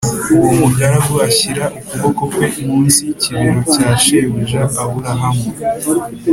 uwo mugaragu ashyira ukuboko kwe munsi y’’ikibero cya shebuja Aburahamu